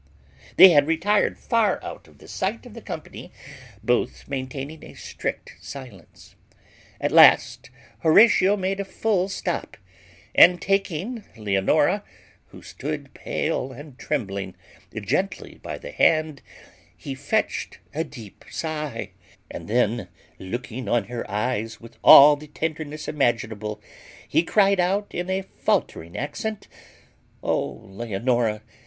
They had retired far out of the sight of the company, both maintaining a strict silence. At last Horatio made a full stop, and taking Leonora, who stood pale and trembling, gently by the hand, he fetched a deep sigh, and then, looking on her eyes with all the tenderness imaginable, he cried out in a faltering accent, "O Leonora!